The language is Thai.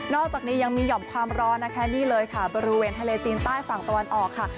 อกจากนี้ยังมีห่อมความร้อนนะคะนี่เลยค่ะบริเวณทะเลจีนใต้ฝั่งตะวันออกค่ะ